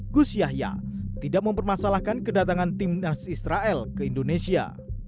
gus yahya tidak mempermasalahkan kedatangan timnas israel ke indonesia